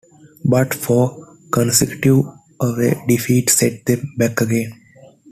But four consecutive away defeats set them back again.